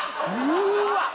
うわっ！